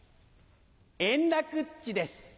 円楽っちです。